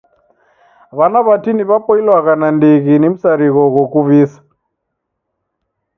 W'ana w'atini w'aboilwagha nandighi ni msarigho ghokuvisa.